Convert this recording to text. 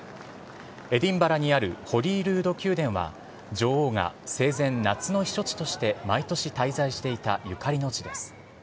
エディンバラにあるホリールード宮殿は女王が生前、夏の避暑地として、毎年滞在していたゆかりの地です。